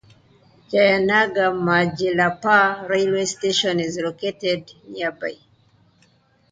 Jaynagar Majilpur railway station is located nearby.